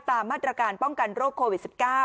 ตามมาตรการป้องกันโรคโควิด๑๙